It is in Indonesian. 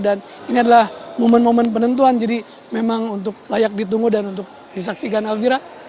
dan ini adalah momen momen penentuan jadi memang untuk layak ditunggu dan untuk disaksikan alfira